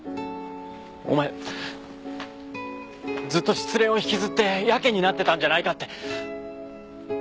おまえずっと失恋を引きずってやけになってたんじゃないかって。